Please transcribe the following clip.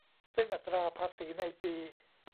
ซึ่งอัตราภาษีในปี